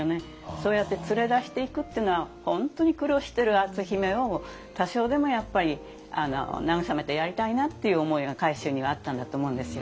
そうやって連れ出していくっていうのは本当に苦労してる篤姫を多少でもやっぱり慰めてやりたいなっていう思いが海舟にはあったんだと思うんですよ。